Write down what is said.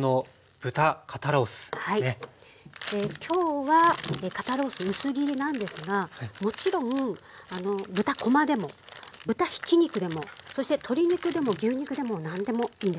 今日は肩ロース薄切りなんですがもちろん豚こまでも豚ひき肉でもそして鶏肉でも牛肉でも何でもいいんです。